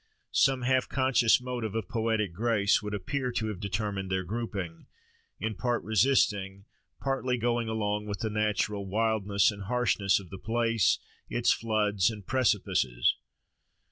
Some half conscious motive of poetic grace would appear to have determined their grouping; in part resisting, partly going along with the natural wildness and harshness of the place, its floods and precipices.